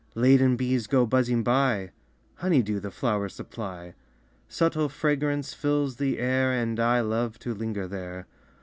Laden bees go buzzing by. Honey dew the flowers supply. Subtile fragrance fills the air, And I love to linger there.